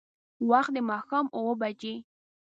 وخت د ماښام اوبه بجې.